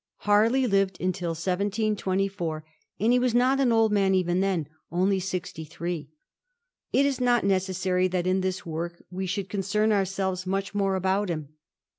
Harley lived until 1724, and was not an old man even then — only sixty three. It is not necessary that in this work we should concern ourselves much more about him.